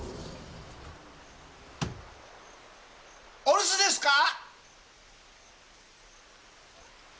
お留守ですか！？